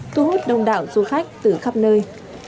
thu hút đông đảo du khách từ khắp nơi